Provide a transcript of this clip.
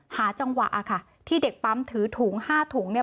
หาจังหวะค่ะที่เด็กปั๊มถือถุงห้าถุงเนี่ย